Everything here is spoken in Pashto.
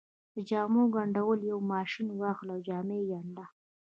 د جامو ګنډلو يو ماشين واخله او جامې ګنډه.